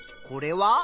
これは？